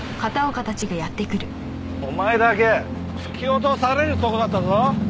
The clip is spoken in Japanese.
お前だけ突き落とされるとこだったぞ！